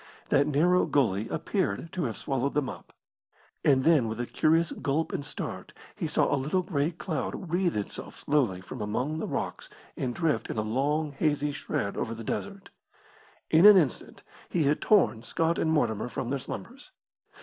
That narrow gully appeared to have swallowed them up. And then with a curious gulp and start he saw a little grey cloud wreathe itself slowly from among the rocks and drift in a long, hazy shred over the desert. In an instant he had torn Scott and Mortimer from their slumbers.